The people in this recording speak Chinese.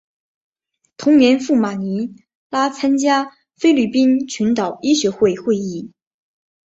同年赴马尼拉参加菲律宾群岛医学会会议。